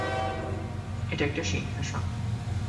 এটা একটা সিংহাসন।